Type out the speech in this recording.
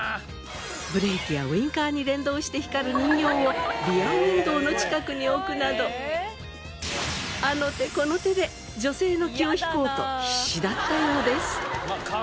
ブレーキやウィンカーに連動して光る人形をリアウィンドーの近くに置くなどあの手この手で女性の気を引こうと必死だったようです。